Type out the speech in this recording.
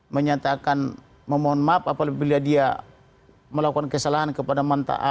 menyatakan memohon maaf apabila dia melakukan kesalahan kepada mantak